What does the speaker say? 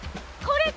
これ？